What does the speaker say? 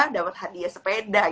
dapat hadiah sepeda